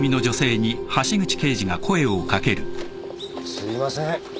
すいません。